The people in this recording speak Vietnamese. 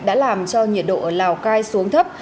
đã làm cho nhiệt độ ở lào cai xuống thấp